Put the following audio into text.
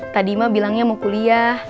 tadi ma bilangnya mau kuliah